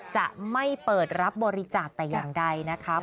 จะไม่เปิดรับบริจาคแต่อย่างใดนะคะ